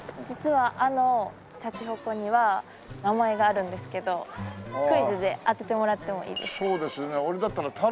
実はあのシャチホコには名前があるんですけどクイズで当ててもらってもいいですか？